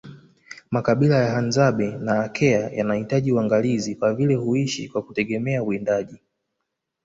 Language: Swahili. Makabila ya Hadzabe na Akea yanahitaji uangalizi kwa vile huishi kwa kutegemea uwindaji